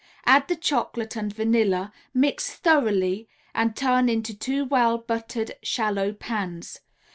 Add the chocolate and vanilla, mix thoroughly and turn into two well buttered shallow pans.